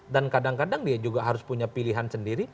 dan kadang kadang dia juga harus punya pilihan sendiri